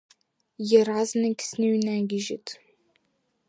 Иаразнак сныҩнагьежьит.